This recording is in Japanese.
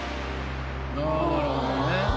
ああなるほどね。